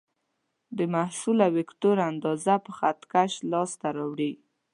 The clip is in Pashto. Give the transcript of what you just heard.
د محصله وکتور اندازه په خط کش لاس ته راوړئ.